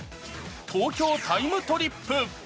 東京タイムトリップ。